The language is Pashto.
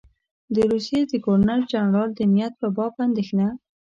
د روسیې د ګورنر جنرال د نیت په باب اندېښنه.